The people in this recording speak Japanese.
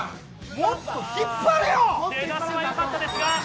もっと引っ張れよ。